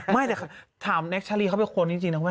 ไม่แต่ถามแน็กชาลีเขาเป็นคนจริงนะ